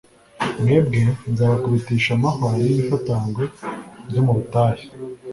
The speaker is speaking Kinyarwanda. mwebwe nzabakubitisha amahwa n'imifatangwe byo mu butayu